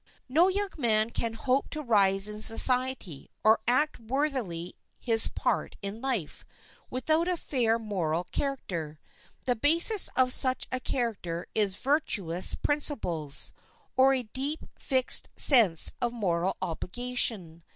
No young man can hope to rise in society, or act worthily his part in life, without a fair moral character. The basis of such a character is virtuous principles, or a deep, fixed sense of moral obligation.